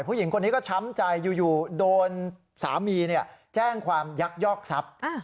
ผู้หญิงคนนี้ก็ช้ำใจอยู่โดนสามีแจ้งความยักยอกทรัพย์